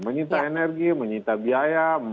mencinta energi mencinta biaya memakan makanan